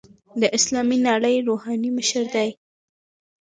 د اسلامي نړۍ روحاني مشر دی.